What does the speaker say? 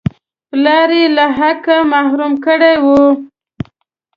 پلار یې له حقه محروم کړی وو.